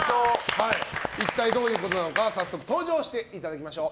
一体どういうことなのか早速、登場していただきましょう。